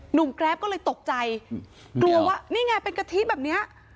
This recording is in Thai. แกรฟก็เลยตกใจกลัวว่านี่ไงเป็นกะทิแบบเนี้ย